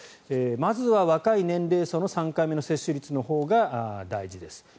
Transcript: まずは若い年齢層の３回目の接種率のほうが大事です。